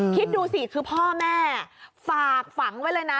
คิดดูสิคือพ่อแม่ฝากฝังไว้เลยนะ